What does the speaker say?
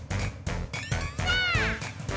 さあ！